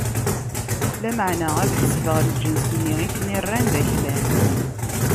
Lameɛna, ad ḥasbeɣ lǧens-nni i ten-irran d aklan.